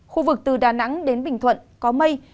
khu vực từ đà nẵng đến bình thuận có mây